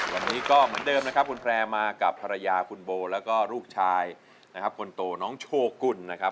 วันนี้ก็เหมือนเดิมนะครับคุณแพร่มากับภรรยาคุณโบแล้วก็ลูกชายนะครับคนโตน้องโชกุลนะครับ